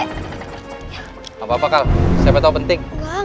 gak apa apa kak siapa tau penting